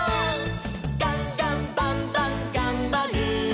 「ガンガンバンバンがんばる！」